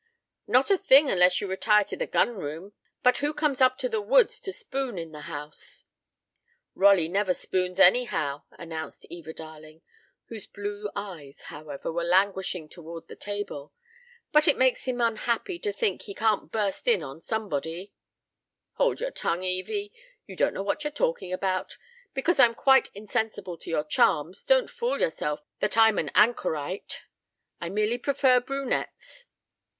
"Not a thing unless you retire to the gun room, but who comes up to the woods to spoon in the house?" "Rolly never spoons, anyhow," announced Eva Darling, whose blue eyes, however, were languishing toward the table. "But it makes him unhappy to think he can't burst in on somebody " "Hold your tongue, Evy. You don't know what you're talking about. Because I'm quite insensible to your charms, don't fool yourself that I'm an anchorite. I merely prefer brunettes."